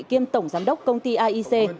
kiêm tổng giám đốc công ty aic